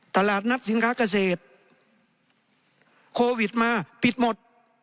ตลาดนัดสินค้าเกษตรโควิดมาปิดหมด